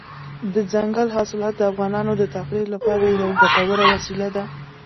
دځنګل حاصلات د افغانانو د تفریح لپاره یوه ګټوره وسیله ده.